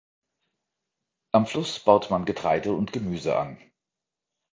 Am Fluss baut man Getreide und Gemüse an.